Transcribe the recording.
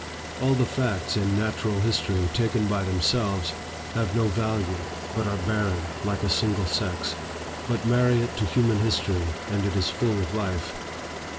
All the facts in natural history taken by themselves, have no value, but are barren, like a single sex. But marry it to human history, and it is full of life.